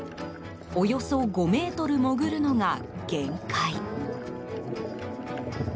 およそ５ｍ潜るのが限界。